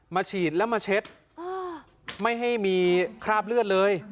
ฉีดแล้วมาเช็ดไม่ให้มีคราบเลือดเลย